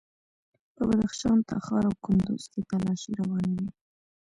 په بدخشان، تخار او کندوز کې تالاشۍ روانې وې.